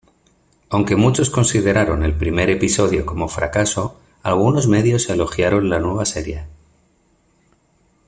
Aunque muchos consideraron el primer episodio como fracaso, algunos medios elogiaron la nueva serie.